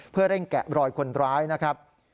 เพื่อเร่งแกะรอยคนร้ายนะครับ